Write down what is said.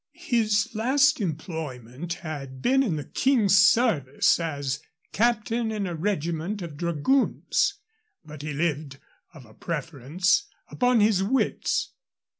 His last employment had been in the King's service as captain in a regiment of dragoons, but he lived, of a preference, upon his wits.